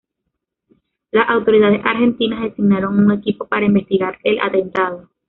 Las autoridades argentinas designaron a un equipo para investigar el atentado.